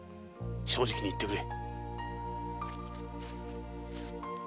正直に言ってくれ。